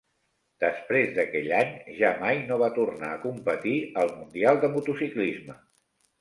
Després d'aquell any, ja mai no va tornar a competir al mundial de motociclisme.